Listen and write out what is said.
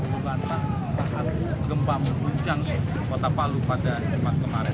berbantah bahkan gempa berbuncang di kota palu pada jam kemarin